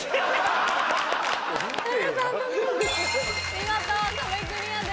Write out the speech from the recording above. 見事壁クリアです。